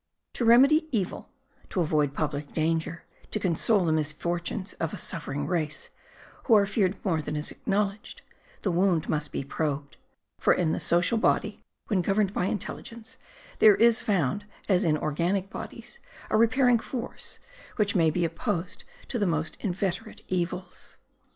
To remedy evil, to avoid public danger, to console the misfortunes of a suffering race, who are feared more than is acknowledged, the wound must be probed; for in the social body, when governed by intelligence, there is found, as in organic bodies, a repairing force, which may be opposed to the most inveterate evils.